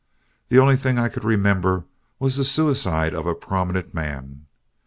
The only thing that I could remember was the suicide of a prominent man.